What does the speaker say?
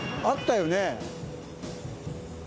あったよね。